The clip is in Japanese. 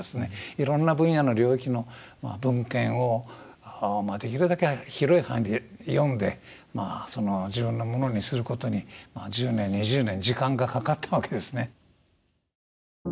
いろんな分野の領域の文献をできるだけ広い範囲で読んで自分のものにすることに１０年２０年時間がかかったわけですね。